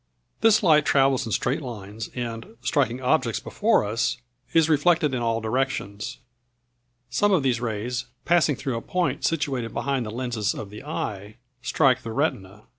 This light travels in straight lines and, striking objects before us, is reflected in all directions. Some of these rays passing through a point situated behind the lenses of the eye, strike the retina.